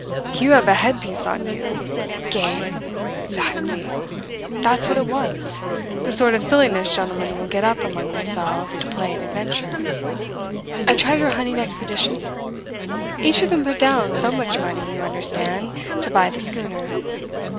"You have a headpiece on you! Game! 'Xactly. That's what it was the sort of silliness gentlemen will get up among themselves to play at adventure. A treasure hunting expedition. Each of them put down so much money, you understand, to buy the schooner.